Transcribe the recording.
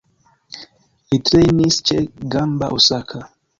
Li trejnis ĉe Gamba Osaka.